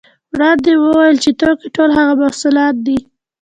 وړاندې مو وویل چې توکي ټول هغه محصولات دي